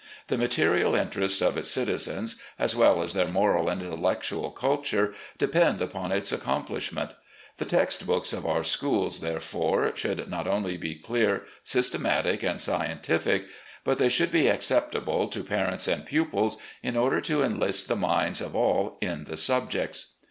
The material interests of its citizens, as well as their moral and intellectual culture, depend upon its accomplishment. The text books of our schools, therefore, should not only be clear, systematic, and scientific, but they should be acceptable to parents and pupils in order to enlist the minds of all in the sub jects."